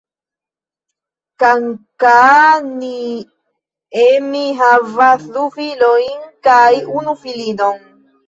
Kankaanniemi havas du filojn kaj unu filinon.